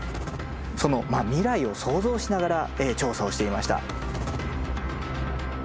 その未来を想像しながら調査をしていました。